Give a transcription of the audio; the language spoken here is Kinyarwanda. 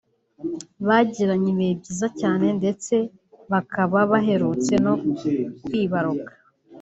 bagiranye ibihe byiza cyane ndetse bakaba baherutse no kwibaruka